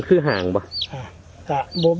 นะครับ